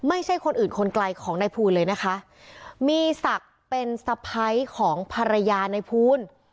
ไม่ใช่คนอื่นคนไกลของนายภูลเลยนะคะมีศักดิ์เป็นสะพ้ายของภรรยาในภูล